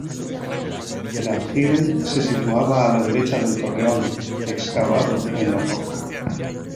El aljibe se situaba a la derecha del torreón, excavado en la roca.